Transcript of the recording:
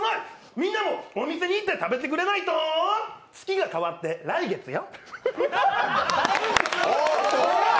みんなもお店に行って食べてくれないと月が変わって来月よ！